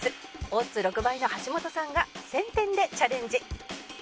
オッズ６倍の橋本さんが１０００点でチャレンジ